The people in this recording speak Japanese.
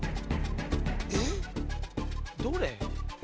えっ？どれ？